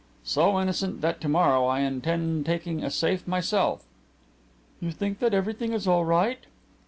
"So innocent that to morrow I intend taking a safe myself." "You think that everything is all right?"